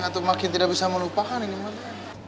atau makin tidak bisa melupakan ini makin